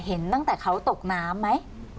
เห็นตั้งแต่เขาตกน้ำไหม